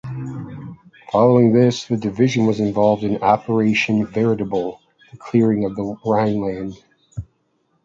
Following this, the division was involved in Operation "Veritable", the clearing of the Rhineland.